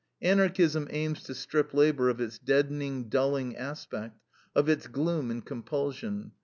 Anarchism aims to strip labor of its deadening, dulling aspect, of its gloom and compulsion.